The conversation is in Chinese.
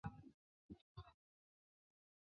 孟加拉灯心草是灯心草科灯心草属的植物。